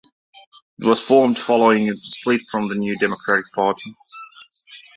It was formed following a split from the New Democratic Party.